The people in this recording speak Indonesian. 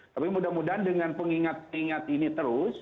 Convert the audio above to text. tapi mudah mudahan dengan pengingat ingat ini terus